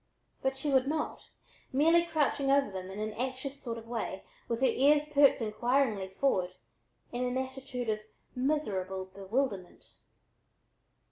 But she would not, merely crouching over them instead, in an anxious sort of way with her ears perked inquiringly forward, in an attitude of miserable bewilderment.